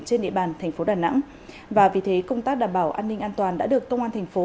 trên địa bàn thành phố đà nẵng và vì thế công tác đảm bảo an ninh an toàn đã được công an thành phố